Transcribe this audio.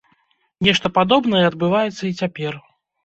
Нешта падобнае адбываецца і цяпер.